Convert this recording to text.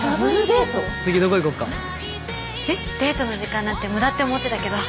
デートの時間なんて無駄って思ってたけど。